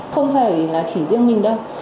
không phải là chỉ riêng mình đâu